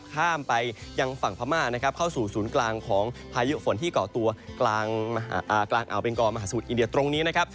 ข้ามไปยังฝั่งพม่านะครับเข้าสู่ศูนย์กลางของพายุฝนที่เกาะตัวกลางอ่าวเบงกอมหาสมุทรอินเดียตรงนี้นะครับ